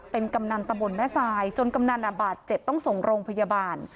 เป็นกำนันตะบนแม่ทรายจนกำนันบาดเจ็บต้องส่งโรงพยาบาล